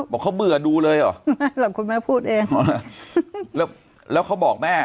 บอกเขาเบื่อดูเลยเหรอคุณแม่พูดเองแล้วแล้วเขาบอกแม่